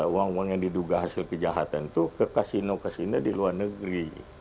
uang uang yang diduga hasil kejahatan itu ke kasino kasino di luar negeri